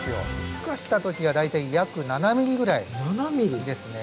ふ化した時が大体約７ｍｍぐらいですね。